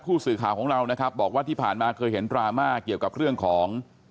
ผู้สื่อข่าวของเรานะครับบอกว่าที่ผ่านมาเคยเห็นดราม่าเกี่ยวกับเรื่องของ